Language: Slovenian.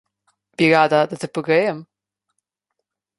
Bi rada, da te pogrejem?